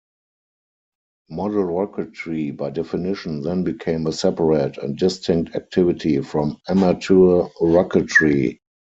Model rocketry by definition then became a separate and distinct activity from amateur rocketry.